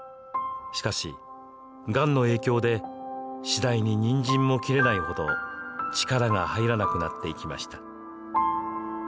しかし、がんの影響で次第に、にんじんも切れないほど力が入らなくなっていきました。